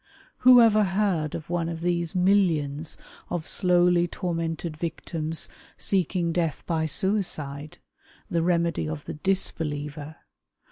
Who ever heard' of one of these millions of slowly tormented victims seeking death by suicide — the remedy of the disbeliever?